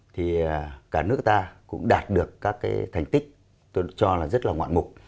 thì cả nước ta cũng đạt được các cái thành tích tôi cho là rất là ngoạn mục